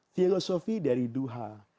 filosofi dari duhah